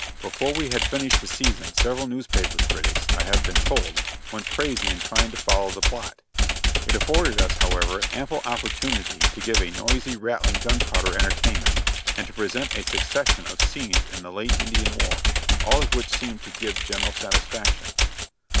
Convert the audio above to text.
Before we had finished the season several newspaper critics, I have been told, went crazy in trying to follow the plot. It afforded us, however, ample opportunity to give a noisy, rattling, gunpowder entertainment, and to present a succession of scenes in the late Indian war, all of which seemed to give general satisfaction.